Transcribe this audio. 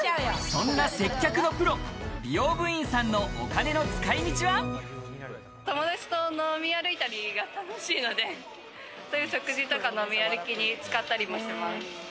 そんな接客のプロ、美容部員友達と飲み歩いたりが楽しいのでそういう食事とか飲み歩きに使ったりしてます。